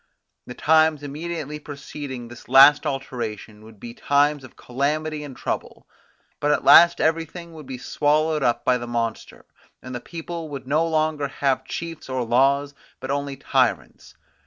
The times immediately preceding this last alteration would be times of calamity and trouble: but at last everything would be swallowed up by the monster; and the people would no longer have chiefs or laws, but only tyrants.